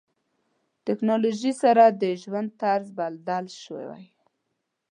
ټکنالوژي سره د ژوند طرز بدل شوی.